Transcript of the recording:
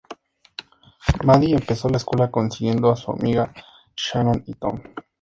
Maddy empezó la escuela consiguiendo a su amiga Shannon y Tom.